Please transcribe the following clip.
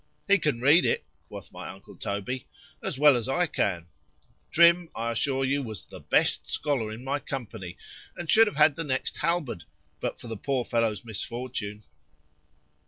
——He can read it, quoth my uncle Toby, as well as I can.——Trim, I assure you, was the best scholar in my company, and should have had the next halberd, but for the poor fellow's misfortune.